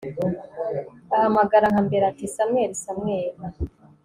ahamagara nka mbere, ati samweli, samweli